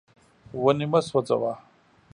ونې مه سوځوه.